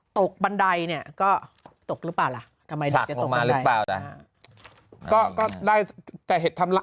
ตกบันไดเนี่ยก็ตกหรือเปล่าล่ะทำไมหลักลงมาหรือเปล่าแต่ก็ได้แต่เห็นทำล่ะ